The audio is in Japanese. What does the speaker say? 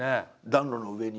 暖炉の上に。